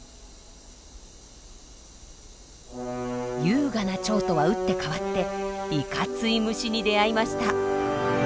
優雅なチョウとは打って変わっていかつい虫に出会いました。